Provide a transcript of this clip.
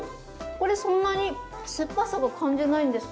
これそんなにすっぱさは感じないんですけど。